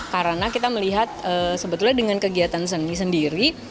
karena kita melihat sebetulnya dengan kegiatan seni sendiri